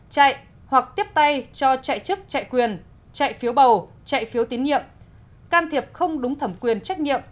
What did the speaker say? chạy hoặc tiếp tay cho chạy chức chạy quyền chạy phiếu bầu chạy phiếu tín nhiệm can thiệp không đúng thẩm quyền trách nhiệm